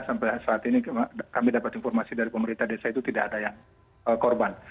sampai saat ini kami dapat informasi dari pemerintah desa itu tidak ada yang korban